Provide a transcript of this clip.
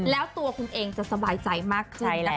แล้วตัวคุณเองจะสบายใจมากขึ้นนะคะ